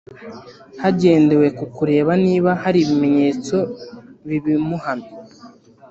hagendewe ku kureba niba hari ibimenyetso bibimuhamya